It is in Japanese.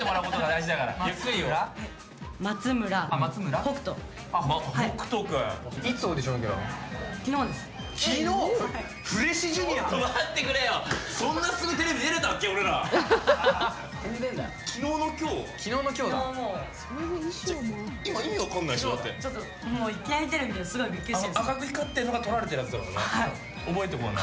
ちょっといきなりテレビであの赤く光ってるのが撮られてるやつだからな。